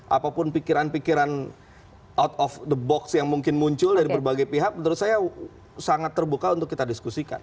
apapun pikiran pikiran out of the box yang mungkin muncul dari berbagai pihak menurut saya sangat terbuka untuk kita diskusikan